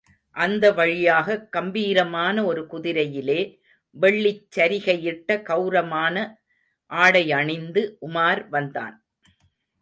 அந்த வழியாக, கம்பீரமான ஒரு குதிரையிலே, வெள்ளிச் சரிகையிட்ட கெளரமான ஆடையணிந்து உமார் வந்தான்.